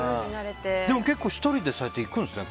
結構１人で行くんですね。